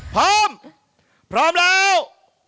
พร้อมพร้อมแล้ว